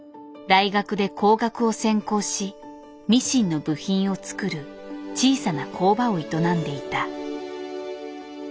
大学で工学を専攻しミシンの部品を作る小さな工場を営んでいた。